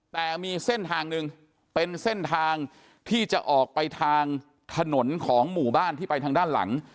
แต่มีเส้นทางหนึ่งเป็นเส้นทางที่จะออกไปทางถนนของหมู่บ้านที่ไปทางด้านหลัง